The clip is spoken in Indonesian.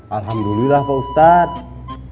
alhamdulillah pak ustadz